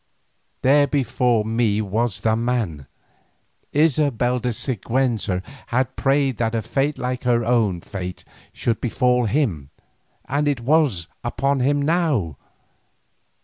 There before me was the man. Isabella de Siguenza had prayed that a fate like to her own fate should befall him, and it was upon him now.